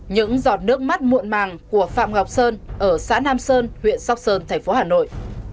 những giọt nước mắt muộn màng của phạm ngọc sơn ở xã nam sơn huyện sóc sơn thành phố hà nội